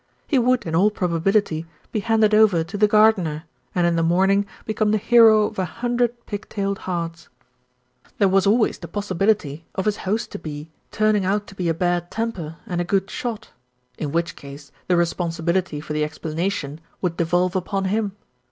He would, in all probability, be handed over to the gar dener, and in the morning become the hero of a hun dred pig tailed hearts. 26 THE RETURN OF ALFRED There was always the possibility of his host to be turning out to be a bad temper and a good shot, in which case the responsibility for the explanation would devolve upon him.